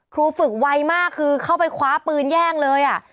ครูฝึกไวมากคือเข้าไปคว้าปืนแย่งเลย